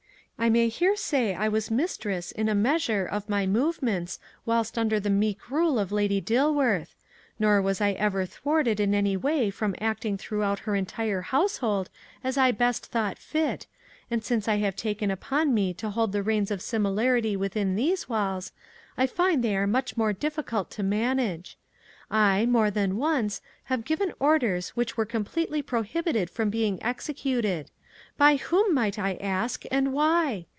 "I may here say I was mistress, in a measure, of my movements whilst under the meek rule of Lady Dilworth; nor was I ever thwarted in any way from acting throughout her entire household as I best thought fit, and since I have taken upon me to hold the reins of similarity within these walls, I find they are much more difficult to manage. I, more than once, have given orders which were completely prohibited from being executed. By whom, might I ask, and why?